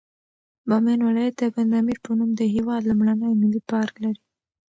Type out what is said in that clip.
بامیان ولایت د بند امیر په نوم د هېواد لومړنی ملي پارک لري.